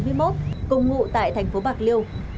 cảnh sát môi trường công an tỉnh bạc liêu bắt quả tăng hai đối tượng